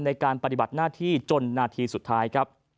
ในการปฏิบัติหน้าที่จนนาทีสุดท้ายครับ